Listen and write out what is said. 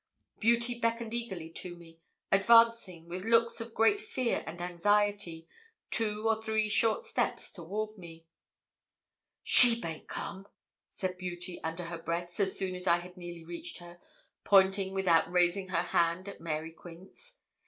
Beauty beckoned eagerly to me, advancing, with looks of great fear and anxiety, two or three short steps toward me. 'She baint to come,' said Beauty, under her breath, so soon as I had nearly reached her, pointing without raising her hand at Mary Quince.